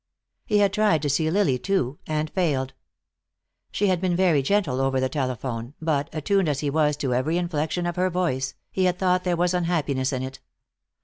He had tried to see Lily, too, and failed. She had been very gentle over the telephone, but, attuned as he was to every inflection of her voice, he had thought there was unhappiness in it.